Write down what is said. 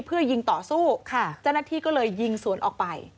เพื่อยิงต่อสู้ค่ะเจ้าหน้าที่ก็เลยยิงสวนออกไป